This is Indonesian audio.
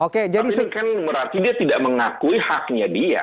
tapi ini kan berarti dia tidak mengakui haknya dia